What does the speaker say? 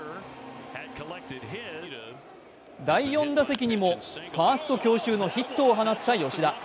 第４打席にもファースト強襲のヒットを放った吉田。